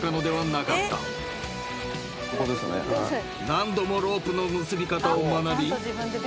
［何度もロープの結び方を学び］